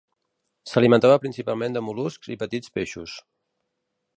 S'alimentava principalment de mol·luscs i petits peixos.